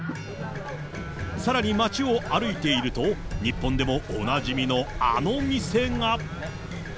さらに街を歩いていると、日本でもおなじみのあの店が。